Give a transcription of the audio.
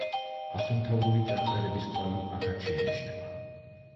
ასომთავრული წარწერების კვალი აქაც შეიმჩნევა.